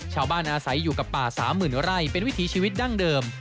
อาศัยอยู่กับป่า๓๐๐๐ไร่เป็นวิถีชีวิตดั้งเดิม